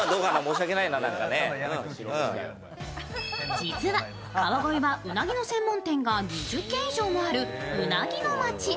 実は川越はうなぎの専門店が２０軒以上もある、うなぎの町。